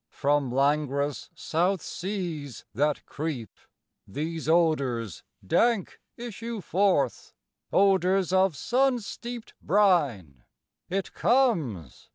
From lang'rous south seas that creep, These odors dank issue forth, Odors of sun steeped brine It comes!